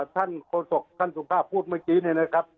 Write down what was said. โฆษกท่านสุภาพพูดเมื่อกี้เนี่ยนะครับ